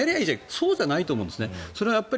そうじゃないと思うんです。